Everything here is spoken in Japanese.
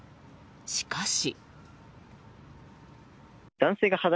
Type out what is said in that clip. しかし。